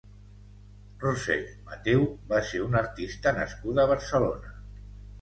Roser Matheu va ser una artista nascuda a Barcelona.